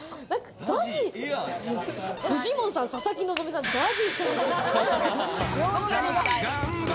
フジモンさん、佐々木希さん、ＺＡＺＹさん。